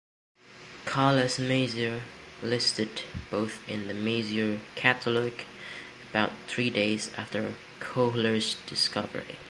Charles Messier listed both in the Messier Catalogue about three days after Koehler's discovery.